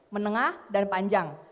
menengah dan panjang